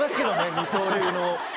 二刀流の。